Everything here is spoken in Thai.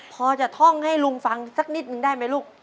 พอจะท่องให้ลุงฟังสักนิดนึงได้ไหมลูก